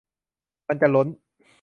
มันจะล้น